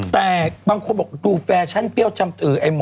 แต่บางคนบอกว่าดูแฟชันเปรี้ยวชัมตึ